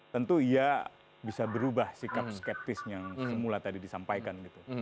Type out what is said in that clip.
tentu ia bisa berubah sikap skeptis yang semula tadi disampaikan gitu